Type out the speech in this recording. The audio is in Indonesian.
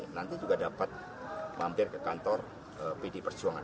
nanti juga dapat mampir ke kantor pdi perjuangan